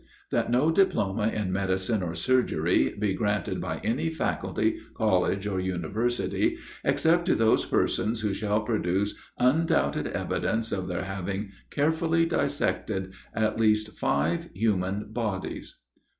That no diploma in medicine or surgery, be granted by any faculty, college, or university, except to those persons who shall produce undoubted evidence of their having carefully dissected at least five human bodies.